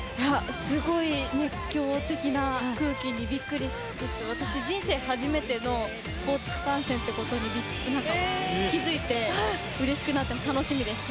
すごい熱狂的な空気にびっくりして私、人生初めてのスポーツ観戦ということに気づいてうれしくなって楽しみです。